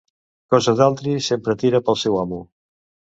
Cosa d'altri sempre tira pel seu amo.